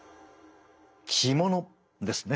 着物ですね？